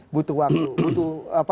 butuh waktu butuh